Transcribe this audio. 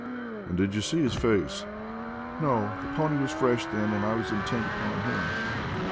"And did you see his face?" "No; the pony was fresh then, and I was intent upon him."